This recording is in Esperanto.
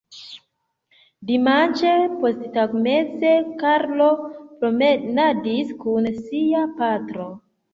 Dimanĉe posttagmeze Karlo promenadis kun sia patro.